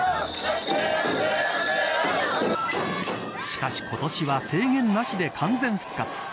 しかし今年は制限なしで完全復活。